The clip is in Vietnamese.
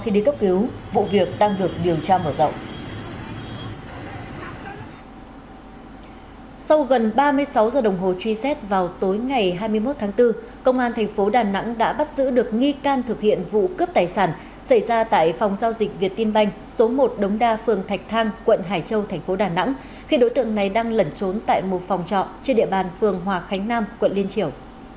đối tượng được nghi can thực hiện vụ cướp tài sản xảy ra tại phòng giao dịch việt tiên banh số một đống đa phường thạch thang quận hải châu thành phố đà nẵng khi đối tượng này đang lẩn trốn tại một phòng trọ trên địa bàn phường hòa khánh nam quận liên triều